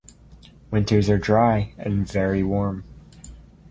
Winters are dry and very warm.